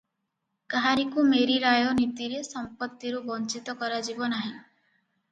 କାହାରିକୁ ମେରୀରାୟ ନୀତିରେ ସମ୍ପତ୍ତିରୁ ବଞ୍ଚିତ କରାଯିବ ନାହିଁ ।